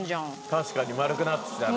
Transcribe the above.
確かに丸くなってきたね。